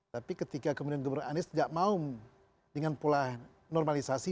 tapi ketika kemudian gubernur anies tidak mau dengan pola normalisasi